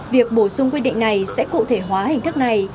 việc bổ sung quy định này sẽ cụ thể hóa hình thức này